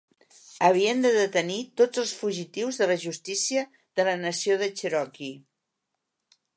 Havien de detenir tots els fugitius de la justícia de la nació de Cherokee.